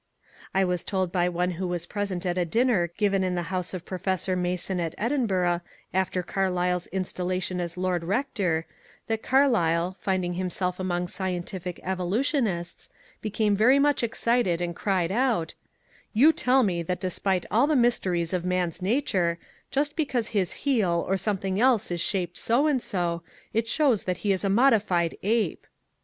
*' I was told by one who was present at a dinner given in the house of Professor Masson in Edinburgh after Carlyle's installation as lord rector, that Carlyle, finding himself among scientific evolutionists, became very much excited and cried out, ^* You tell me that despite all HUXLEY AND CARLYLE 403 the mysteries of man's nature, just because his heel or some thing else is shaped so and so, it shows that he is a modified ape